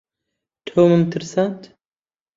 تۆمم ترساند.